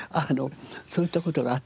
そういった事があって。